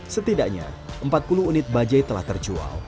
setidaknya empat puluh unit bajai telah terjual